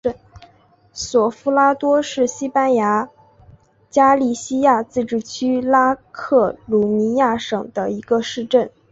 索夫拉多是西班牙加利西亚自治区拉科鲁尼亚省的一个市镇。